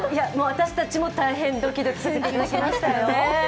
私たちも大変ドキドキさせていただきましたよ。